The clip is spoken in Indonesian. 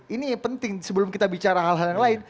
ini yang penting sebelum kita bicara hal hal yang lain